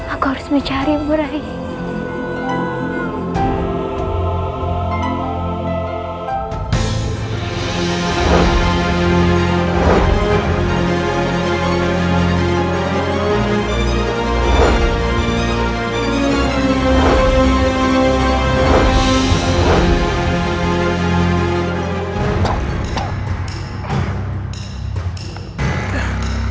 aku harus mencari murahnya